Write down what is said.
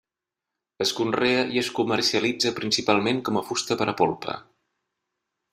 Es conrea i es comercialitza principalment com a fusta per a polpa.